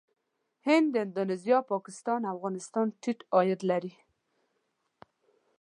هند، اندونیزیا، پاکستان او افغانستان ټيټ عاید لري.